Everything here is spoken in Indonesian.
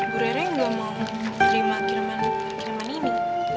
bu rere gak mau terima kiriman kiriman ini